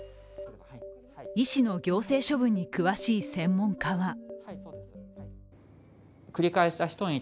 医師の行政処分に詳しい専門家は